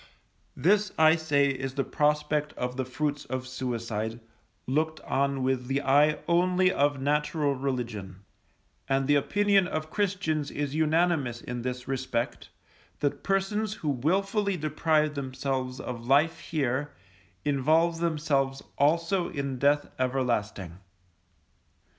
This I say is the prospect of the fruits of suicide, looked on with the eye only of natural religion; and the opinion of Christians is unanimous in this respect, that persons who wilfully deprive themselves of life here, involve themselves also in death everlasting.